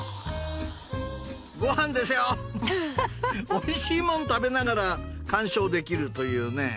おいしいもん食べながら鑑賞できるというね。